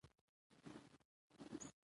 اقلیم د افغانستان د جغرافیې بېلګه ده.